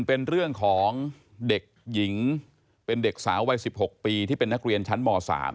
เป็นเรื่องของเด็กหญิงเป็นเด็กสาววัย๑๖ปีที่เป็นนักเรียนชั้นม๓